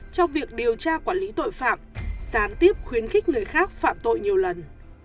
trong việc điều tra quản lý tội phạm sán tiếp khuyến khích người khác phạm tội nhiều lần